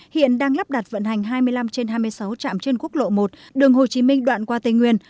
hiện đang lắp đặt vận hành hai mươi năm trên hai mươi sáu trạm trên quốc lộ một đường hồ chí minh đoạn qua tây nguyên